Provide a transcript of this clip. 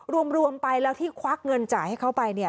รวมไปแล้วที่ควักเงินจ่ายให้เขาไป